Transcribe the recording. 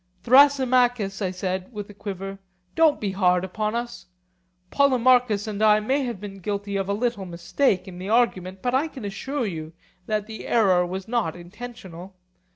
Thrasymachus, I said, with a quiver, don't be hard upon us. Polemarchus and I may have been guilty of a little mistake in the argument, but I can assure you that the error was not intentional.